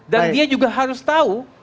dan dia juga harus tahu